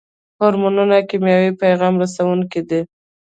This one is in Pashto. هورمونونه کیمیاوي پیغام رسوونکي دي